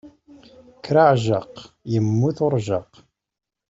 Kker a ɛejjaq, immut urejjaq.